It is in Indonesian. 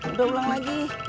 udah ulang lagi